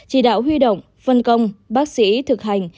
chỉ đạo huy động phân công bác sĩ thực hành